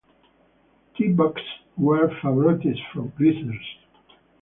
T-buckets were favorites for greasers.